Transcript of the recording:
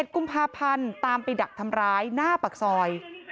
๑กุมภาพันธ์ตามไปดักทำร้ายหน้าปากซอย